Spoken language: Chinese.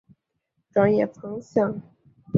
专业方向。